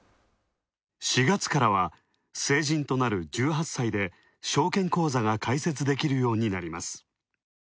４月からは、成人となる１８歳で証券口座が開設できるようになります。